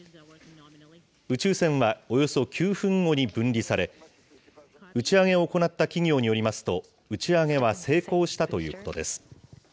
宇宙船はおよそ９分後に分離され、打ち上げを行った企業によりますと、打ち上げは成功したということです。